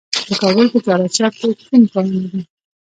د کابل په چهار اسیاب کې کوم کانونه دي؟